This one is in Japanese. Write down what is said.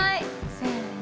せの。